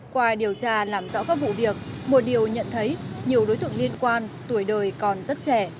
qua điều tra làm rõ các vụ việc một điều nhận thấy nhiều đối tượng liên quan tuổi đời còn rất trẻ